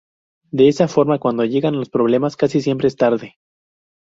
De esa forma, cuando llegan los problemas casi siempre es tarde.